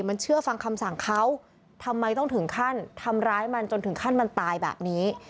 มันเชื่อฟังคำสั่งเขาทำไมต้องถึงขั้นทำร้ายมันจนถึงขั้นมันตายแบบนี้